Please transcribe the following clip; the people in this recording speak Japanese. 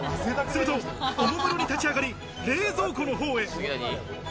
すると、おもむろに立ち上がり、冷蔵庫の方へ。